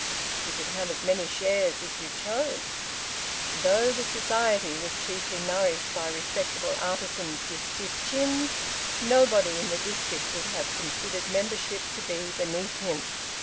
You could have as many shares as you chose. Though the Society was chiefly nourished by respectable artisans with stiff chins, nobody in the district would have considered membership to be beneath him.